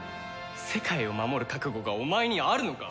世界を守る覚悟がお前にあるのか？